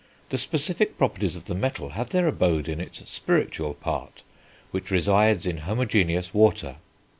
The specific properties of the metal have their abode in its spiritual part, which resides in homogeneous water.